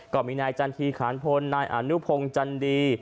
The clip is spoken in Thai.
ก็มีนายจันทีขานพลนายอนุพงศ์จันดี